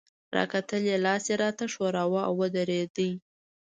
راته کتل يې، لاس يې راته ښوراوه، او ودرېد.